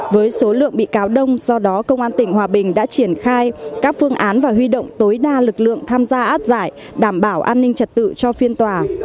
với số lượng bị cáo đông do đó công an tỉnh hòa bình đã triển khai các phương án và huy động tối đa lực lượng tham gia áp giải đảm bảo an ninh trật tự cho phiên tòa